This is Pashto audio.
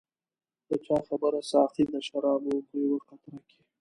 د چا خبره ساقي د شرابو په یوه قطره کې.